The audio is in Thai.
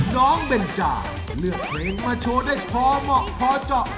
เบนจาเลือกเพลงมาโชว์ได้พอเหมาะพอเจาะ